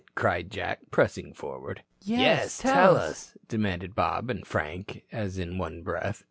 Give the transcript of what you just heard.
cried Jack, pressing forward. "Yes, tell us," demanded Bob and Frank as in one breath.